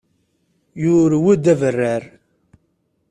Yurew-d abarrar.